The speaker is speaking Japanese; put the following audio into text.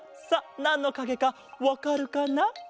さあなんのかげかわかるかな？